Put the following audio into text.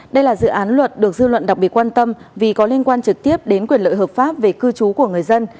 đây là dự án luật được dư luận đặc biệt quan tâm vì có liên quan trực tiếp đến quyền lợi hợp pháp về cư trú của người dân